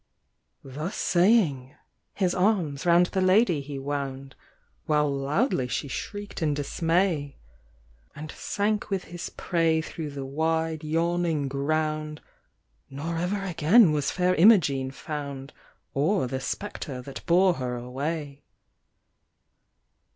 Thus saying, his arms round the lady he wound, While loudly she shrieked in dismay; And sank with his prey through the wide yawning ground, Nor ever again was Fair Imogene found, Or the spectre that bore her away.